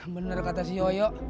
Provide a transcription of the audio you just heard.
bener kata si yoyo